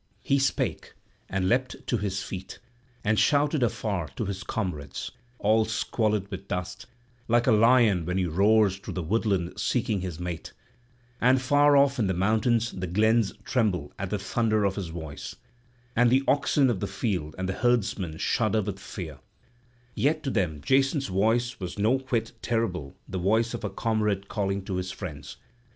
He spake, and leapt to his feet, and shouted afar to his comrades, all squalid with dust, like a lion when he roars through the woodland seeking his mate; and far off in the mountains the glens tremble at the thunder of his voice; and the oxen of the field and the herdsmen shudder with fear; yet to them Jason's voice was no whit terrible the voice of a comrade calling to his friends.